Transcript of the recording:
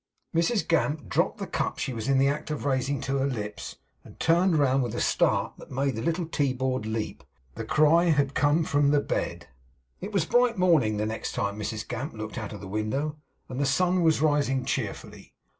Mrs Gamp dropped the cup she was in the act of raising to her lips, and turned round with a start that made the little tea board leap. The cry had come from the bed. It was bright morning the next time Mrs Gamp looked out of the window, and the sun was rising cheerfully.